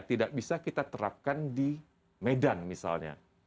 tidak bisa kita terapkan di medan misalnya